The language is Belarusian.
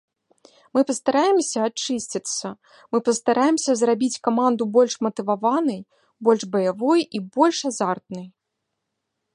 Мы пастараемся ачысціцца, мы пастараемся зрабіць каманду больш матываванай, больш баявой і больш азартнай.